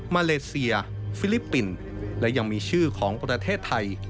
มาเลเซียฟิลิปปินส์และยังมีชื่อของประเทศไทย